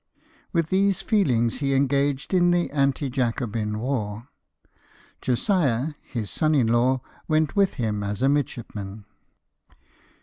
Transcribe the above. With these feelings he engaged in the Anti Jacobin war. Josiah, his son in law, went with him as a midshipman.